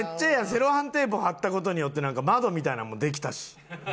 セロハンテープ貼った事によって窓みたいなのもできたし。